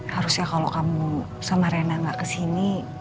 harusnya kalau kamu sama rena gak kesini